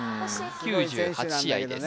９８試合です